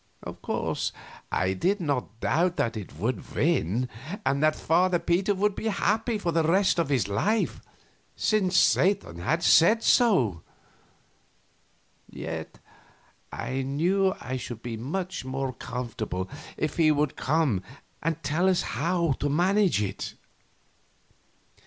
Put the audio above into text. Of course I did not doubt that it would win, and that Father Peter would be happy for the rest of his life, since Satan had said so; yet I knew I should be much more comfortable if he would come and tell us how to manage it.